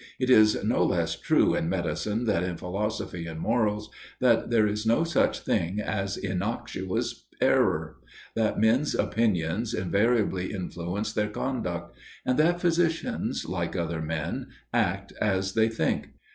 It is no less true in medicine than in philosophy and morals, that there is no such thing as innoxious error; that men's opinions invariably influence their conduct; and that physicians, like other men, act as they think.